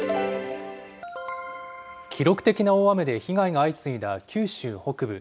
記録的な大雨で被害が相次いだ九州北部。